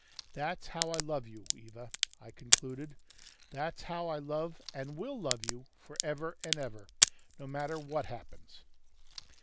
That's how I love you, Eva," I concluded; "that's how I love and will love you, for ever and ever, no matter what happens."